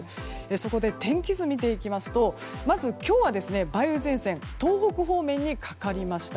そこで天気図を見ていきますとまず今日は梅雨前線が東北方面にかかりました。